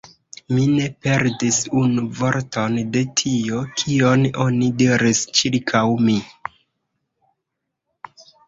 Mi ne perdis unu vorton de tio, kion oni diris ĉirkaŭ mi.